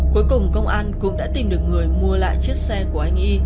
cuối cùng công an cũng đã tìm được người mua lại chiếc xe của anh y